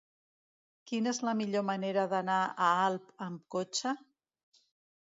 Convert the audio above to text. Quina és la millor manera d'anar a Alp amb cotxe?